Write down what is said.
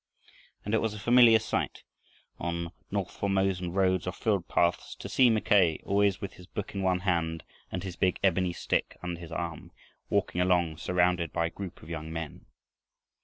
And it was a familiar sight on north Formosan roads or field paths to see Mackay, always with his book in one hand and his big ebony stick under his arm, walking along surrounded by a group of young men.